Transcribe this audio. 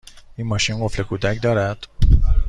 این ماشین قفل کودک دارد؟